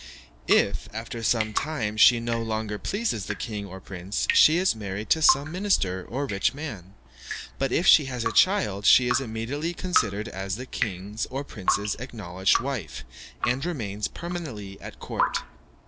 If, after some time, she no longer pleases the king or prince, she is married to some minister or rich man; but, if she has a child, she is immediately considered as the king's or prince's acknowledged wife, and remains permanently at court.